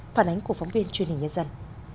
phản ánh của phóng viên truyền hình nhân dân